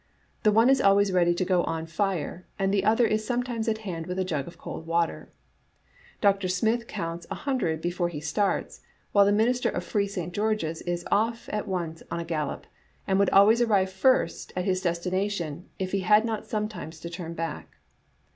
The one is always ready to go on fire, and the other is sometimes at hand with a jug of cold water. Dr. Smith counts a hundred before he starts, while the minister of Free St. George's is off at once on a gallop, and would always arrive first at his destination if he had not sometimes to turn back.